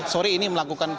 sorry ini melakukan